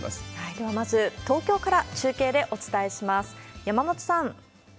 ではまず、東京から中継でお伝えします。